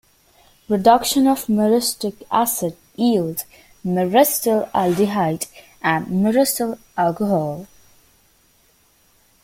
Reduction of myristic acid yields myristyl aldehyde and myristyl alcohol.